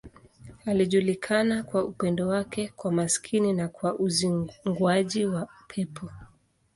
Alijulikana kwa upendo wake kwa maskini na kwa uzinguaji wa pepo.